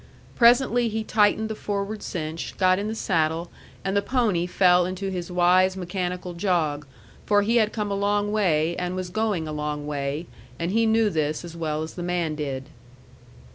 Presently he tightened the forward cinch, got in the saddle, and the pony fell into his wise mechanical jog; for he had come a long way, and was going a long way, and he knew this as well as the man did.